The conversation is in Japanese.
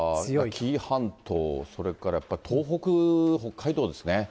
紀伊半島、それからやっぱり東北、北海道ですね。